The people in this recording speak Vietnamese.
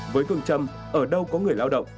với phương châm ở đâu có người lao động